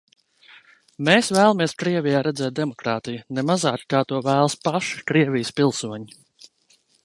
Mēs vēlamies Krievijā redzēt demokrātiju ne mazāk, kā to vēlas paši Krievijas pilsoņi.